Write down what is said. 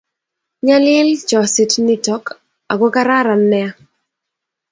Nyalil chosit nitok ak ko kararan nea